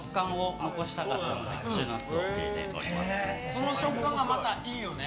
その食感がまたいいよね。